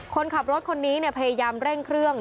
คนขับรถคนนี้พยายามเร่งเครื่อง